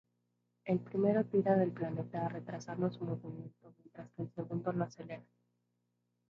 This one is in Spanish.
El primero tira del planeta retrasando su movimiento mientras que el segundo lo acelera.